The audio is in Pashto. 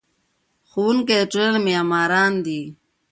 ښوونکي د ټولنې معماران دي.